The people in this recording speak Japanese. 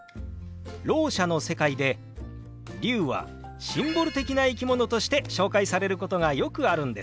ろう者の世界で龍はシンボル的な生き物として紹介されることがよくあるんです。